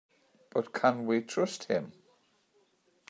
But can we trust him?